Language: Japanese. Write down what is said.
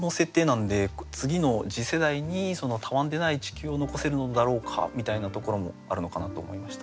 なんで次の次世代にたわんでない地球を残せるのだろうかみたいなところもあるのかなと思いました。